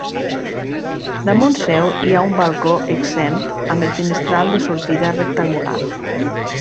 Damunt seu hi ha un balcó exempt amb el finestral de sortida rectangular.